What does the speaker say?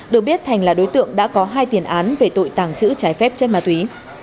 được biết thành là đối tượng đã có hai tiền án về tội tàng trữ trái phép chất ma túy